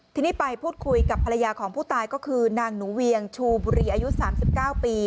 ทีนี้ไปพูดคุยกับภรรยาของผู้ตายก็คือนางหนูเวียงชูบุรีอายุ๓๙ปี